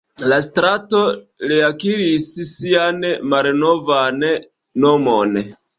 La strato reakiris sian malnovan nomon.